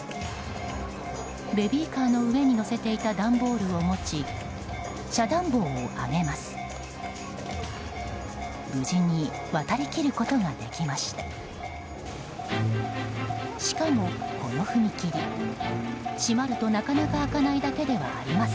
ベビーカーの上に載せていた段ボールを持ち遮断棒を上げます。